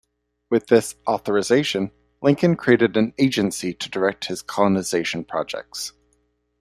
With this authorization, Lincoln created an agency to direct his colonization projects.